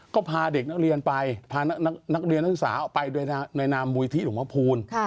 ก็พาเด็กนักเรียนไปพานักเรียนแล้วสาวไปด้วยนานบุหรี่ธิลุงพระภูล